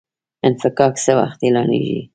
انفکاک څه وخت اعلانیږي؟